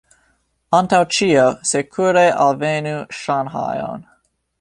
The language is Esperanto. Antaŭ ĉio, sekure alvenu Ŝanhajon.